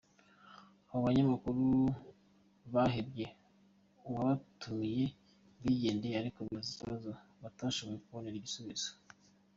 Abo banyamakuru bahebye uwabatumiye bigendeye ariko bibaza ikibazo batashoboye kubonera igisubizo.